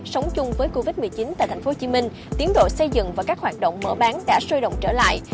sống chung với covid một mươi chín tại tp hcm tiến độ xây dựng và các hoạt động mở bán đã sôi động trở lại